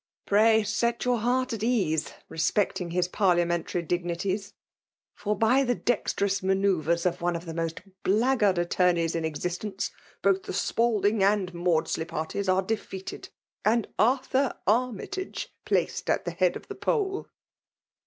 121 Pray set your heart at ease respecting his parliamentary dignities — ^fbr^ by the dextrous manoeuvres of one of the most blackguard attorneys in existence, both the Spalding and Maudsley parties are defeated^ and Arthur Armytage placed at the head of the poll